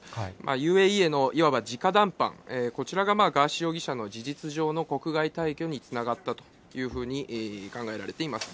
ＵＡＥへのいわばじか談判、こちらがガーシー容疑者の事実上の国外退去につながったというふうに考えられています。